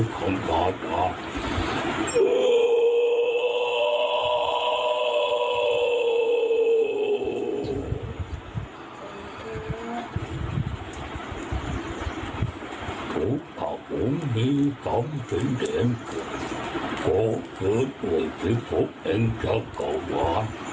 โกคือโกคือโกเอ็งจ๊ะเก่าว่ะ